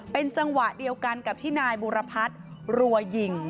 เป็นจังหวะเดียวกันกับที่นายบุรพัฒน์รัวยิง